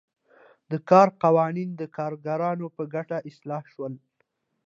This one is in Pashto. د کار قوانین د کارګرانو په ګټه اصلاح شول.